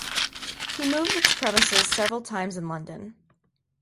He moved its premises several times in London.